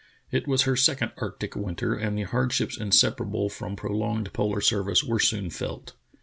It was her second arctic winter, and the hardships inseparable from prolonged polar service were soon felt.